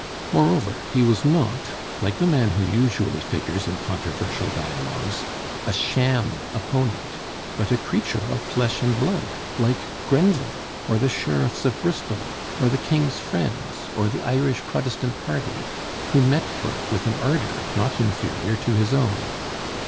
Moreover he was not, like the man who usually figures in controversial dialogues, a sham opponent, but a creature of flesh and blood like Grenville, or the Sheriffs of Bristol, or the King's friends, or the Irish Protestant party, who met Burke with an ardor not inferior to his own.